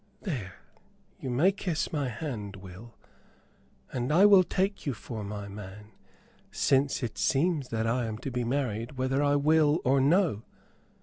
There, you may kiss my hand, Will, and I will take you for my man, since it seems that I am to be married whether I will or no.